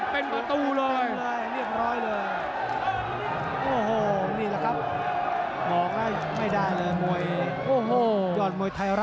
เผ่าฝั่งโขงหมดยก๒